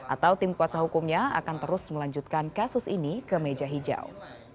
atau tim kuasa hukumnya akan terus melanjutkan kasus ini ke meja hijau